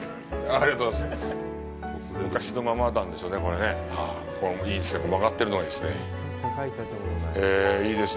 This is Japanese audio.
ありがとうございます。